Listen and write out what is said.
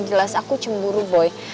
jelas aku cemburu boy